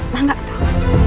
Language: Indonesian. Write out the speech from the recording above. nah enggak tuh